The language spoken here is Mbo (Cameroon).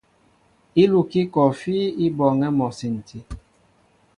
Ílukí kɔɔfí i bɔɔŋɛ́ mɔ a sinti.